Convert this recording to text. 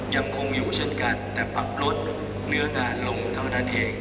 ยังคงอยู่เช่นกันแต่ปรับลดเนื้องานลงเท่านั้นเอง